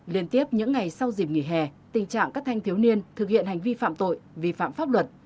liên tiếp những ngày sau dịp nghỉ hè tình trạng các thanh thiếu niên thực hiện hành vi phạm tội vi phạm pháp luật